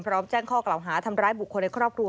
แจ้งข้อกล่าวหาทำร้ายบุคคลในครอบครัว